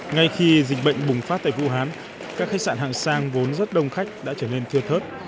ngay khi dịch bệnh bùng phát tại vũ hán các khách sạn hàng sang vốn rất đông khách đã trở nên thưa thớt